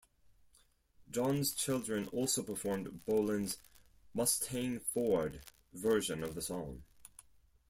John's Children also performed Bolan's "Mustang Ford" version of the song.